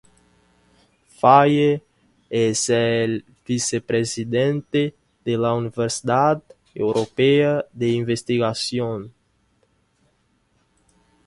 Faye es el vicepresidente de la Universidad Europea de Investigación.